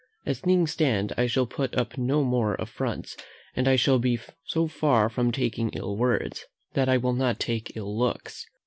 As things stand, I shall put up no more affronts; and I shall be so far from taking ill words, that I will not take ill looks.